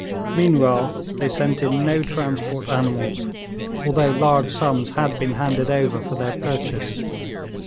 Meanwhile they sent in no transport animals, although large sums had been handed over for their purchase.